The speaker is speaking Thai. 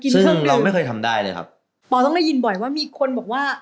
ครึ่งเราไม่เคยทำได้เลยครับปอต้องได้ยินบ่อยว่ามีคนบอกว่า